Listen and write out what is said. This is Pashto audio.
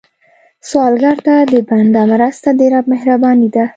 سوالګر ته د بنده مرسته، د رب مهرباني ده